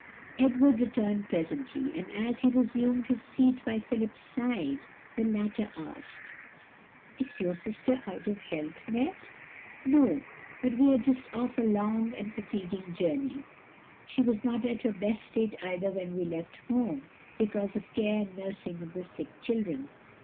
Edward returned presently, and as he resumed his seat by Philip's side the latter asked, "Is your sister out of health, Ned?" "No; but we are just off a long and fatiguing journey; she was not at her best state either when we left home, because of care and nursing of the sick children.